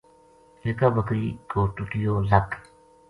اِکا بکری کو ٹُٹیو لَک